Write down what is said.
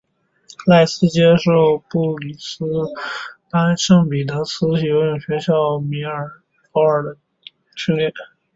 赖斯接受布里斯班圣彼得斯游泳学校的教练米高保尔的训练。